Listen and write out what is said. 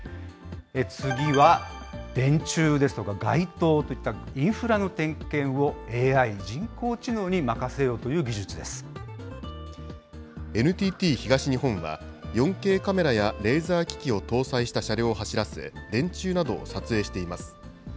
次は電柱ですとか、街灯といったインフラの点検をＡＩ・人工知能に任せようという技ＮＴＴ東日本は、４Ｋカメラやレーザー機器を搭載した車両を走らせ、電柱など撮影しています。